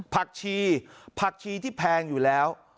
ผักชีผักชีที่แพงอยู่แล้ว